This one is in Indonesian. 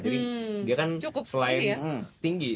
jadi dia kan selain tinggi